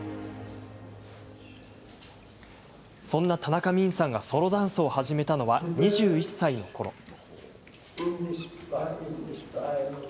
そんな田中泯さんがソロダンスを始めたのは２１歳のころ。